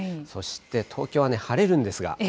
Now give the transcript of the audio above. そして、東京は晴れるんですが。